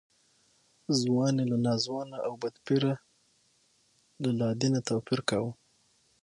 ځوان یې له ناځوانه او بدپیره له لادینه توپیر کاوه.